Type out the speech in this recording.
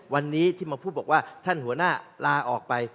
วันนี้ที่มาพูดบอกว่าท่านหัวหน้าลาออกไป